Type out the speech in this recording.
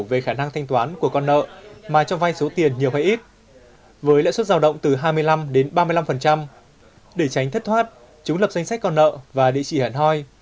với lãi suất giao động từ hai mươi năm đến ba mươi năm để tránh thất thoát chúng lập danh sách con nợ và địa chỉ hẳn hoi